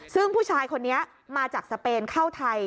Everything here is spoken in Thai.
ซึ่งผู้ชายคนนี้มาจากสเปนเข้าไทย